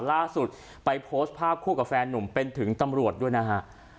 ล่าสุดไปโพสต์ภาพคู่กับแฟนหนุ่มเป็นถึงตำรวจด้วยนะฮะ